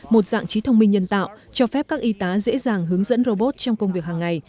một dạng trí thông minh nhân tạo cho phép các y tá dễ dàng hướng dẫn robot trong công việc hàng ngày